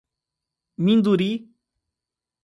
Minduri